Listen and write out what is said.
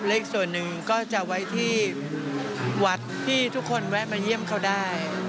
อีกส่วนหนึ่งก็จะไว้ที่วัดที่ทุกคนแวะมาเยี่ยมเขาได้